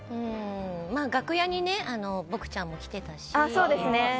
まあ、楽屋に僕ちゃんも来てたし。